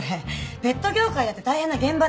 ペット業界だって大変な現場です。